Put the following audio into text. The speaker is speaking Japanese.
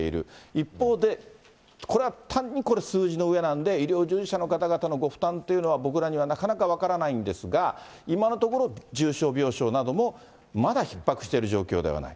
一方で、これはたぶん、これは数字の上なんで、医療従事者の方々のご負担というのは僕らにはなかなか分からないんですが、今のところ、重症病床などもまだひっ迫している状況ではない。